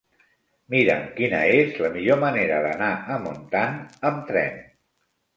Mira'm quina és la millor manera d'anar a Montant amb tren.